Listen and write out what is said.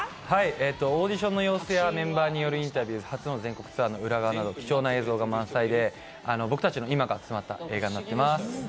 オーディションの様子や、メンバーによるインタビュー、初の全国ツアーの裏側など、貴重な映像が満載で僕たちの今が詰まった映画になっています。